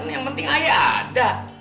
yang penting ayah ada